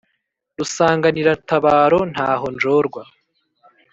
Rusanganiratabaro ntaho njorwa.